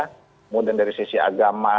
kemudian dari sisi agama